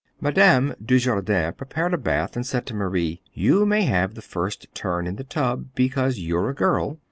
Madame Dujardin prepared a bath and said to Marie: "You may have the first turn in the tub because you're a girl.